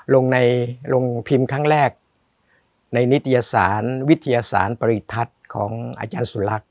ลงผิมครั้งแรกในนิตยสารวิทยาสารปริศัทธิ์ของอาจารย์สุรรักษ์